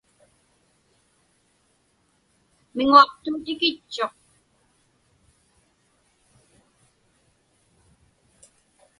Miŋuaqtuutikitchuq.